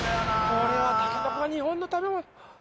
これはタケノコは日本の食べ物。